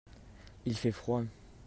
il fait froid.